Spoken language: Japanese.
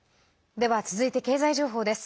では続いて経済情報です。